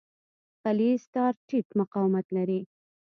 غلیظ تار ټیټ مقاومت لري.